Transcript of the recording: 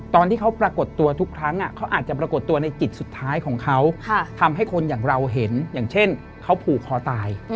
ตอนที่เขาปรากฏตัวทุกครั้งเขาอาจจะปรากฏตัวในจิตสุดท้ายของเขาทำให้คนอย่างเราเห็นอย่างเช่นเขาผูกคอตาย